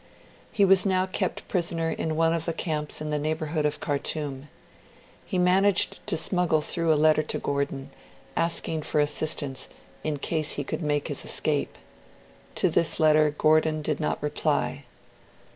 He was now kept prisoner in one of the camps in the neighbourhood of Khartoum. He managed to smuggle through a letter to Gordon, asking for assistance, in case he could make his escape. To this letter Gordon did not reply.